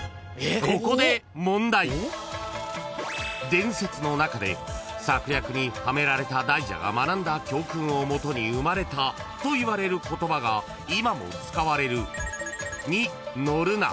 ［伝説の中で策略にはめられた大蛇が学んだ教訓を基に生まれたといわれる言葉が今も使われる「に乗るな」